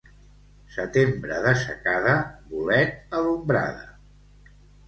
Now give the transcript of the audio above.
Setembre de secada, bolet a l'ombrada.